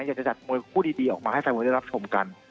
อยากจะจัดมวยคู่ดีออกมาให้แฟนมวยได้รับชมกัน